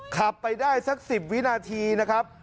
ขับไปได้สัก๑๐วินาทีนะครับ